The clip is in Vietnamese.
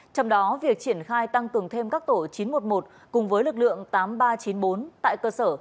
trong đó việc triển khai tăng cường thêm các tổ chín trăm một mươi một cùng với lực lượng tám nghìn ba trăm chín mươi bốn tại cơ sở